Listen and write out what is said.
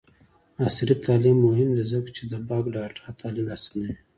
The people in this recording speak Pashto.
عصري تعلیم مهم دی ځکه چې د بګ ډاټا تحلیل اسانوي.